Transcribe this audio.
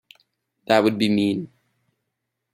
That would be mean.